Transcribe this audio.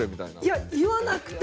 いや言わなくて。